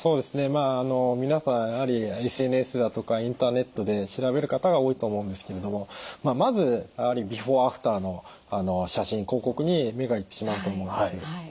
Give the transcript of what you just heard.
まあ皆さんやはりＳＮＳだとかインターネットで調べる方が多いと思うんですけれどもまずやはりビフォー・アフターの写真広告に目が行ってしまうと思うんです。